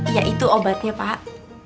ya itu obatnya pak